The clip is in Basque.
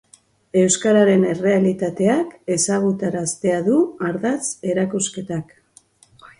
Euskararen errealitateak ezagutaraztea du ardatz erakusketak.